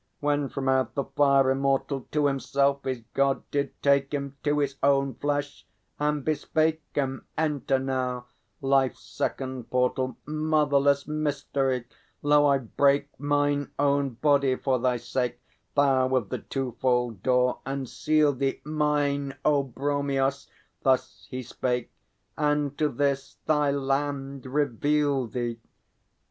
When from out the fire immortal To himself his God did take him, To his own flesh, and bespake him: "Enter now life's second portal, Motherless Mystery; lo, I break Mine own body for thy sake, Thou of the Twofold Door, and seal thee Mine, O Bromios," thus he spake "And to this thy land reveal thee."